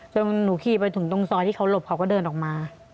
หนูขี่ไปถึงตรงซอยที่เขาหลบเขาก็เดินออกมา